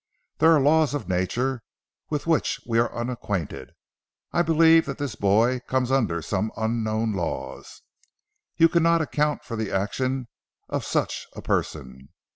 There are laws of Nature with which we are unacquainted. I believe that this boy comes under some unknown laws. You cannot account for the actions of such a person.